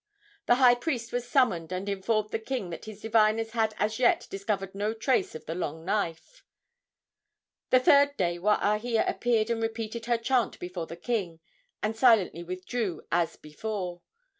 The high priest was summoned, and informed the king that his diviners had as yet discovered no trace of the long knife. The third day Waahia appeared and repeated her chant before the king, and silently withdrew, as before.